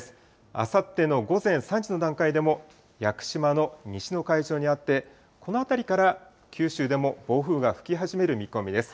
あさっての午前３時の段階でも屋久島の西の海上にあって、このあたりから九州でも暴風が吹き始める見込みです。